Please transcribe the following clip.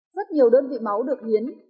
rất nhiều đơn vị máu được hiến